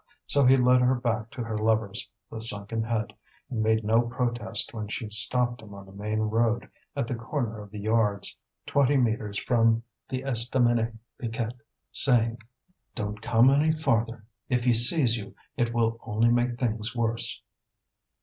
So he led her back to her lover's, with sunken head, and made no protest when she stopped him on the main road, at the corner of the Yards, twenty metres from the Estaminet Piquette, saying: "Don't come any farther. If he sees you it will only make things worse."